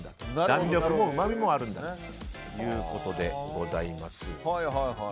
弾力もうまみもあるということでございます。